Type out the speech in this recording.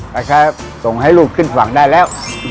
ถ้าครบก็ส่งให้ลูกขึ้นฟังได้แล้ว